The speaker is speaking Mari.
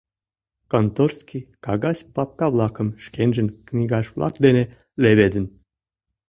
Конторский кагаз папка-влакым шкенжын книгаж-влак дене леведын.